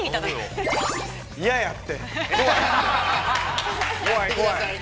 怖い怖い。